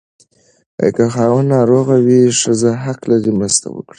که خاوند ناروغ وي، ښځه حق لري مرسته وکړي.